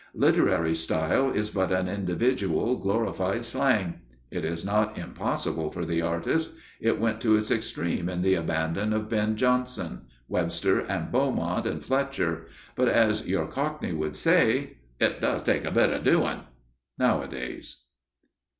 Literary style is but an individual, glorified slang. It is not impossible for the artist; it went to its extreme in the abandon of Ben Jonson, Webster, and Beaumont and Fletcher, but, as your Cockney would say, "It does take a bit of doin'" nowadays.